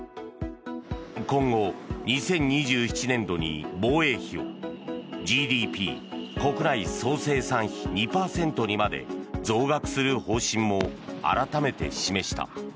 今後、２０２７年度に防衛費をＧＤＰ・国内総生産比２％にまで増額する方針も改めて示した。